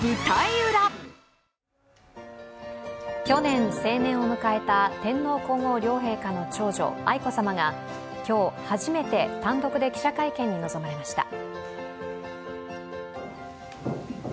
去年成年を迎えた天皇・皇后両陛下の長女愛子さまが今日、初めて単独で記者会見に臨まれました。